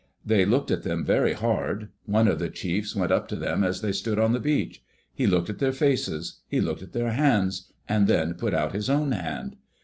*' They looked at them very hard. One of the chiefs went up to them as they stood on the beach. He looked at their faces. He looked at their hands, and then put out his own hand.